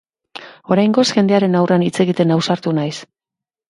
Oraingoz, jendearen aurrean hitz egiten ausartu naiz.